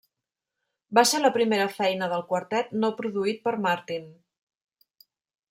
Va ser la primera feina del quartet no produït per Martin.